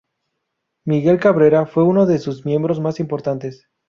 Miguel Cabrera fue uno de sus miembros más importantes.